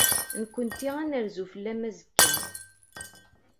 Nekkenti ad nerzu fell-am azekka.